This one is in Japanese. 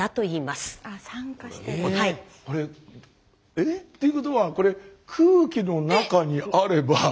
えっ？っていうことはこれ空気の中にあれば。